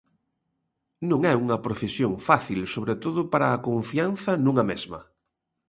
Non é unha profesión fácil, sobre todo para a confianza nunha mesma.